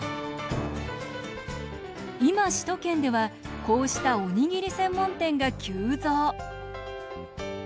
今、首都圏ではこうした、おにぎり専門店が急増。